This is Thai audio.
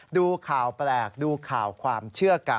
ดูข่าวแปลกดูข่าวความเชื่อกัน